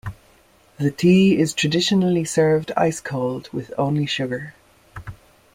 The tea is traditionally served ice-cold with only sugar.